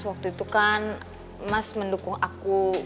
waktu itu kan mas mendukung aku